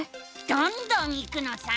どんどんいくのさ！